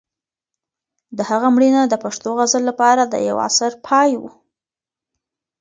د هغه مړینه د پښتو غزل لپاره د یو عصر پای و.